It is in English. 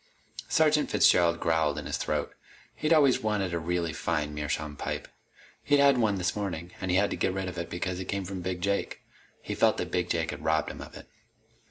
Sergeant Fitzgerald growled in his throat. He'd always wanted a really fine meerschaum pipe. He'd had one this morning, and he'd had to get rid of it because it came from Big Jake. He felt that Big Jake had robbed him of it.